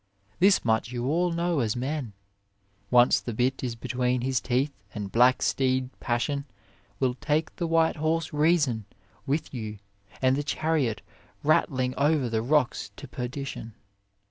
This much you all know as men: once the bit is between his teeth the black steed Passion will take the white horse Reason with you and the chariot rattling over the rocks to perdition.